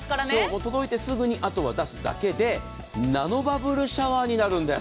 届いてすぐに、あとは出すだけでナノバブルシャワーになるんです。